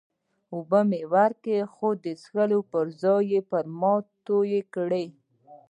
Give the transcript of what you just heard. اوبه مې ورکړې، خو ده د څښلو پر ځای پر ملا توی کړې.